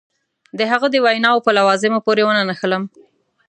د هغه د ویناوو په لوازمو پورې ونه نښلم.